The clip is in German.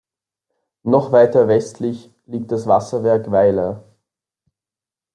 Noch weiter westlich liegt das Wasserwerk Weiler.